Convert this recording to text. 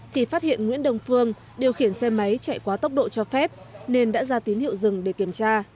thì phát hiện nguyễn đồng phương điều khiển xe máy chạy quá tốc độ cho phép nên đã ra tín hiệu dừng để kiểm tra